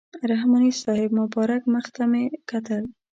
رحماني صاحب مبارک مخ ته مې کتل.